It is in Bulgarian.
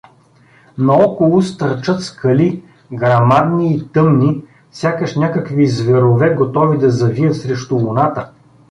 Наоколо стърчат скали грамадни и тъмни, сякаш някакви зверове, готови да завият срещу луната.